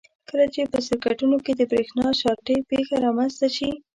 کله چې په سرکټونو کې د برېښنا شارټۍ پېښه رامنځته شي.